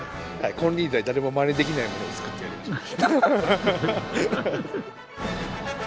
金輪際誰もまねできないものを作ってやりましょう。